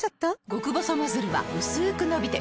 極細ノズルはうすく伸びて